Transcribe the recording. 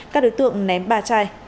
các đối tượng ném ba chai